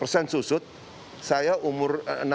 satu susut saya umur enam tujuh